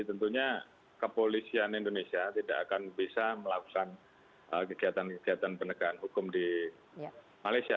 tentunya kepolisian indonesia tidak akan bisa melakukan kegiatan kegiatan penegakan hukum di malaysia